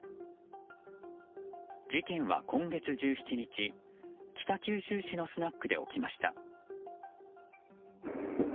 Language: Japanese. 事件は今月１７日北九州市のスナックで起きました。